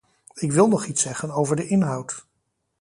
Ik wil nog iets zeggen over de inhoud.